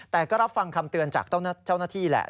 แต่ก็รับฟังคำเตือนจากเจ้าหน้าที่แหละ